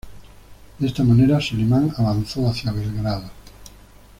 De esta manera, Solimán avanzó hacia Belgrado.